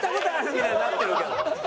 みたいになってるけど。